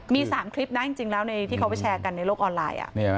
มี๓คลิปนะจริงแล้วในที่เขาไปแชร์กันในโลกออนไลน์